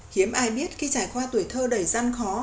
hiếm ai biết khi trải qua tuổi thơ đầy gian khó